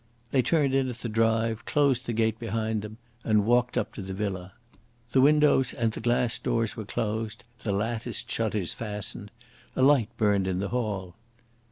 They turned in at the drive, closed the gate behind them, and walked up to the villa. The windows and the glass doors were closed, the latticed shutters fastened. A light burned in the hall.